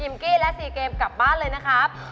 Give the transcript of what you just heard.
กี้และ๔เกมกลับบ้านเลยนะครับ